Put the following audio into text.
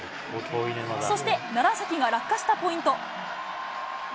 そして楢崎が落下したポイント。